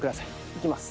いきます